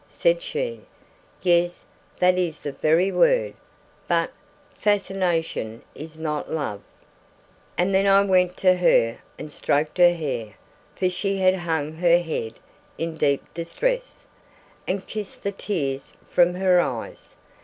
said she. "Yes, that is the very word; but fascination is not love!" And then I went to her, and stroked her hair (for she had hung her head in deep distress), and kissed the tears from her eyes.